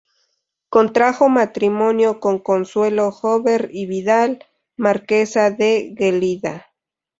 Contrajo matrimonio con Consuelo Jover y Vidal, marquesa de Gelida.